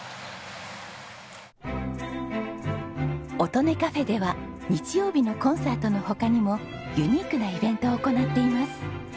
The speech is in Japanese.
音音かふぇでは日曜日のコンサートの他にもユニークなイベントを行っています。